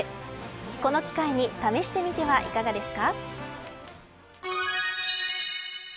この機会に試してみてはいかがですか。